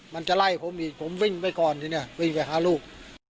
มันจะไล่ผมอีกผมวิ่งไปก่อนทีนี้วิ่งไปหาลูก